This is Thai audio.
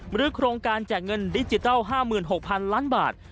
หรือกรงการแจกเงินดิจิเจาะ๕๖๐๐๐ล้านบาท